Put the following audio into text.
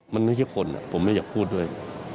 มันไม่ใช่คนผมไม่อยากพูดด้วย